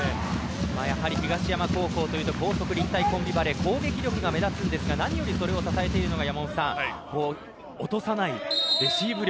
東山高校というと高速立体コンビバレー攻撃力が目立つんですが何よりそれを支えているのが落とさないレシーブ力